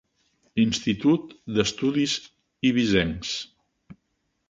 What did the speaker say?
Institut d'estudis eivissencs.